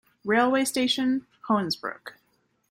Railway station: Hoensbroek.